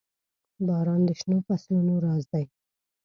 • باران د شنو فصلونو راز دی.